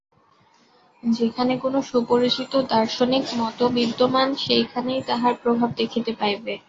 যেখানে কোন সুপরিচিত দার্শনিক মত বিদ্যমান, সেইখানেই তাঁহার প্রভাব দেখিতে পাইবে।